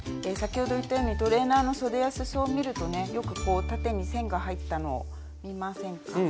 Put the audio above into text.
先ほど言ったようにトレーナーのそでやすそを見るとねよくこう縦に線が入ったのを見ませんか。